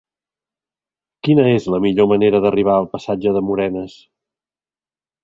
Quina és la millor manera d'arribar al passatge de Morenes?